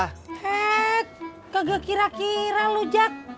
eh kagak kira kira lho jak